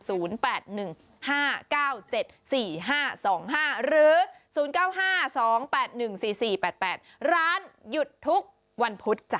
หรือ๐๙๕๒๘๑๔๔๘๘ร้านหยุดทุกวันพุธจ้ะ